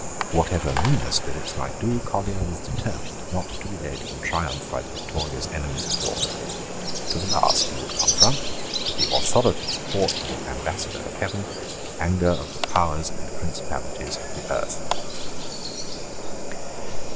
Whatever meaner spirits might do, Collier was determined not to be led in triumph by the victorious enemies of his order. To the last he would confront, with the authoritative port of an ambassador of heaven, the anger of the powers and principalities of the earth.